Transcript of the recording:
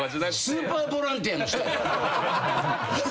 スーパーボランティアの人。